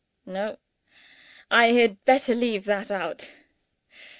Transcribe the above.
No I had better leave that out.